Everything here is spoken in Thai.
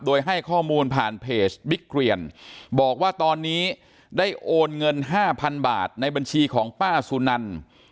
โดยให้ข้อมูลผ่านเพจบิ๊กเกรียนบอกว่าตอนนี้ได้โอนเงินห้าพันบาทในบัญชีของป้าสุนัน